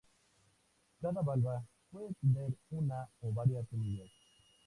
Cada valva puede tener una o varias semillas.